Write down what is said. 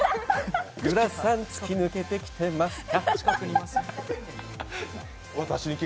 グラサン突き抜けてきてますか。